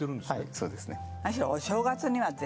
そうですね。